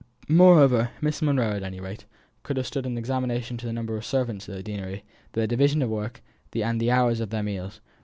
Moreover, Miss Monro, at any rate, could have stood an examination as to the number of servants at the deanery, their division of work, and the hours of their meals.